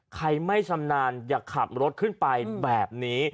ใครไม่ชำนาญอย่าขับรถขึ้นไปแบบนี้